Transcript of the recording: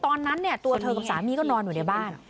ตอนนั้นเนี่ยตัวเธอกับสามีก็นอนอยู่ในบ้าน